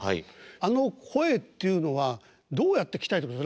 あの声っていうのはどうやって鍛えていくんですか？